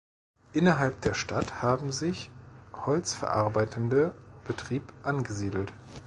Innerhalb der Stadt haben sich Holzverarbeitende betrieb angesiedelt.